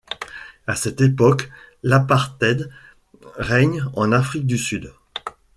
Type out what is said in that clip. À cette époque, l'apartheid règne en Afrique du Sud.